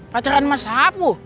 pacaran sama sapu